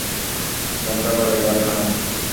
বন্ধ করো, এবার থামো।